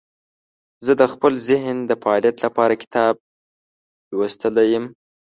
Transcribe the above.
زه د خپل ذهن د فعالیت لپاره کتاب لوستلی یم.